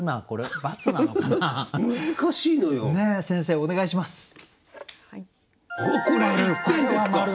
先生お願いします。